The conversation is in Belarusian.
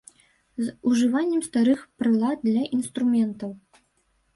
З ужываннем старых прылад для інструментаў.